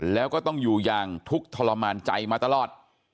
แล้วก็ต้องอยู่อย่างทุกข์ทรมานใจมาตลอด